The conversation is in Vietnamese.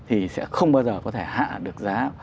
thì sẽ không bao giờ có thể hạ được giá